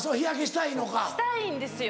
したいんですよ。